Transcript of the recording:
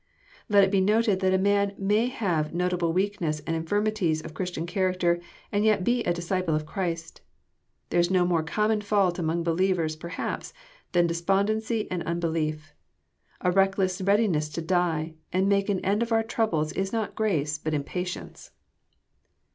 Let it be noted that a man may have notable weaknesses and infirmities of Christian character, and yet be a disciple of Christ. There is no more common fault among believers, perhaps, than despondency and unbelief. A reckless readiness to die and make an end of our troubles is not grace but impa tience.